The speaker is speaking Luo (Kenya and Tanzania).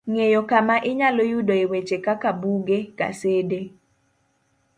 ng'eyo kama inyalo yudoe weche kaka buge, gasede